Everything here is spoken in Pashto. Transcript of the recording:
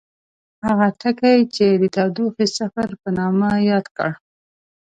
هغه ټکی یې د تودوخې صفر په نامه یاد کړ.